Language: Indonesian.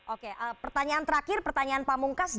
oke pertanyaan terakhir pertanyaan pak mungkas